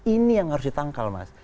ini yang harus ditangkal mas